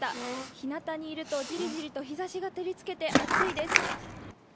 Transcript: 日なたにいると、じりじりと日差しが照り付けて、暑いです。